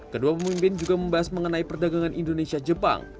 kedua pemimpin juga membahas mengenai perdagangan indonesia jepang